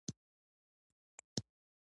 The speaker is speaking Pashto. رسۍ تل خپل حد پېژني.